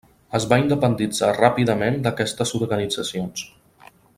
Es va independitzar ràpidament d'aquestes organitzacions.